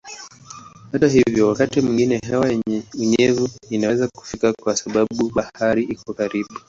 Hata hivyo wakati mwingine hewa yenye unyevu inaweza kufika kwa sababu bahari iko karibu.